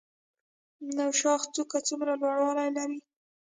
نوشاخ څوکه څومره لوړوالی لري؟